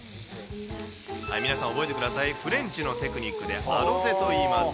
皆さん、覚えてください、フレンチのテクニックでアロゼといいます。